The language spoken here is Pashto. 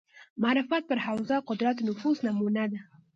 معرفت پر حوزې قدرت نفوذ نمونه ده